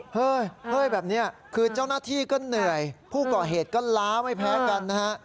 เฮ้ยแบบนี้คือเจ้าหน้าที่ก็เหนื่อยผู้ก่อเหตุก็ล้าไม่แพ้กันนะฮะ